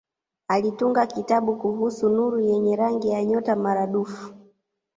Alitunga kitabu kuhusu nuru yenye rangi ya nyota maradufu.